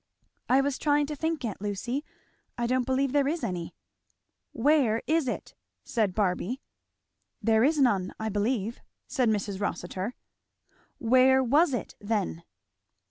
"I was trying to think, aunt Lucy. I don't believe there is any." "Where is it?" said Barby. "There is none, I believe," said Mrs. Rossitur. "Where was it, then?"